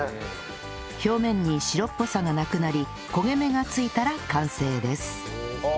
表面に白っぽさがなくなり焦げ目がついたら完成です